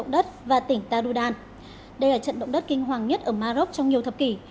đây là trận động đất kinh hoàng nhất ở maroc trong nhiều thập kỷ